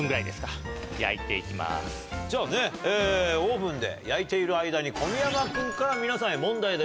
じゃあオーブンで焼いている間に小宮山君から皆さんへ。